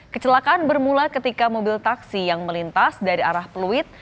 kecelakaan bermula ketika mobil taksi yang melintas dari arah pluit